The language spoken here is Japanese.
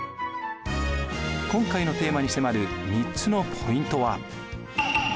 今回のテーマに迫る３つのポイントは。